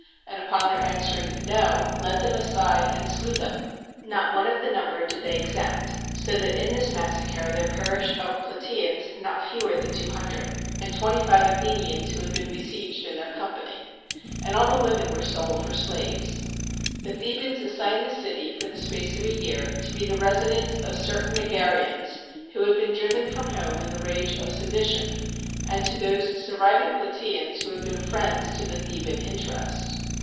and upon their an swering, "No," led them aside, and slew them. Not one of the number did they exempt; so that in this massacre there perished of Plataeans not fewer than two hundred, and twenty five Athenians who had been besieged in their company; and all the women were sold for slaves. The Thebans assigned the city, for the space of a year, to be the residence of certain Megareans, who had been driven from home in the rage of sedition, and to those surviving Plataeans who had been friends to the Theban interest.